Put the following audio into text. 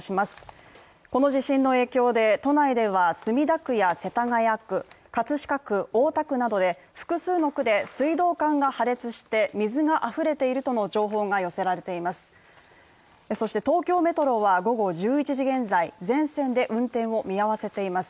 この地震の影響で都内では墨田区や世田谷区、葛飾区、大田区など複数の区で水道管が破裂して、水があふれているとの情報が寄せられています。